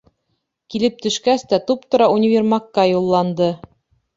Килеп төшкәс тә туп-тура универмагка юлланды.